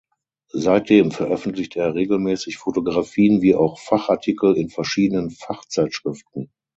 Seitdem veröffentlicht er regelmäßig Fotografien wie auch Fachartikel in verschiedenen Fachzeitschriften.